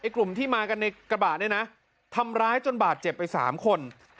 กลุ่มที่มากันในกระบะเนี่ยนะทำร้ายจนบาดเจ็บไป๓คน